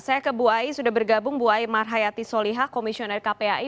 saya ke bu ai sudah bergabung bu ai marhayati solihah komisioner kpai